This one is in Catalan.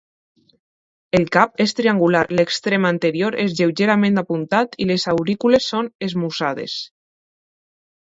El cap és triangular, l'extrem anterior és lleugerament apuntat i les aurícules són esmussades.